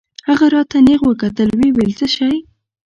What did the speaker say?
هغه راته نېغ وکتل ويې ويل څه شى.